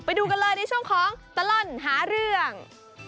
ไปดูกันเลยในช่วงของตลอดหาเรื่อง